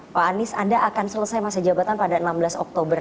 pak anies anda akan selesai masa jabatan pada enam belas oktober